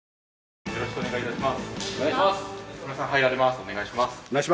よろしくお願いします。